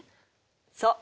そう。